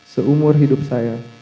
seumur hidup saya